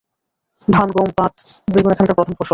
ধান, গম, পাট, বেগুন এখানকার প্রধান ফসল।